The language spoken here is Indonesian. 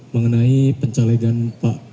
mengenai pencalegan pak